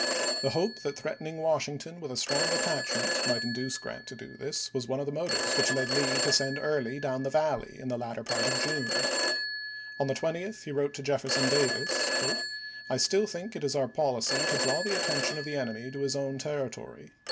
The hope that threatening Washington with a strong detachment might induce Grant to do this was one of the motives which led Lee to send Early down the Valley in the latter part of June. we*. On the 20th he wrote to Jefferson Davis, " I still think it is our policy to draw the attention of the enemy to his own territory.